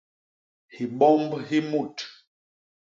Hibomb hi mut.